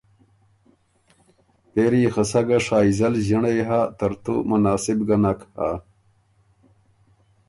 پېري يې خه سَۀ ګه شائزل ݫِنړئ هۀ ترتُو مناسب ګۀ نک هۀ۔